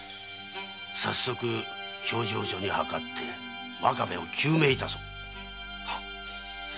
早速評定所にはかって真壁を究明いたそう。